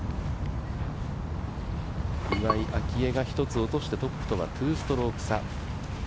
岩井明愛が一つ落としてトップとは２ストローク差。